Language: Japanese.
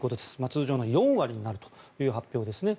通常の４割になるという発表ですね。